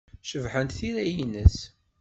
Cebḥent tira-nnes.